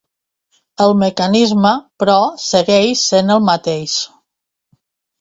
El mecanisme, però, segueix sent el mateix.